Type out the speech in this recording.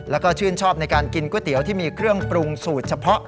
แล้วก็ชื่นชอบในการกินก๋วยเตี๋ยวที่มีเครื่องปรุงสูตรเฉพาะ